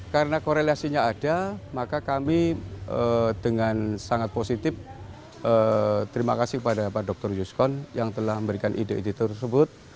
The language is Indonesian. karena korelasinya ada maka kami dengan sangat positif terima kasih kepada pak dr yuskon yang telah memberikan ide ide tersebut